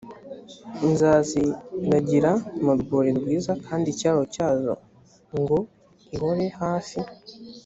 nzaziragira mu rwuri rwiza kandi ikiraro cyazo ngoihore hafi